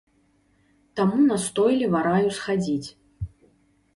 Таму настойліва раю схадзіць.